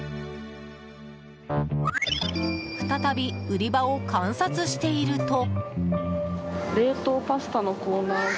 再び売り場を観察していると。